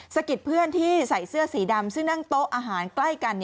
สะกิดเพื่อนที่ใส่เสื้อสีดำซึ่งนั่งโต๊ะอาหารใกล้กัน